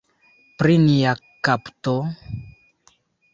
Pri nia kapto?